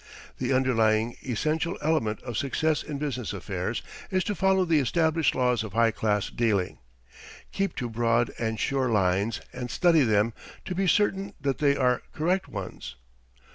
The underlying, essential element of success in business affairs is to follow the established laws of high class dealing. Keep to broad and sure lines, and study them to be certain that they are correct ones.